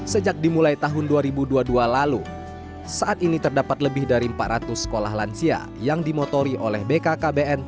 sejak dimulai tahun dua ribu dua puluh dua lalu saat ini terdapat lebih dari empat ratus sekolah lansia yang dimotori oleh bkkbn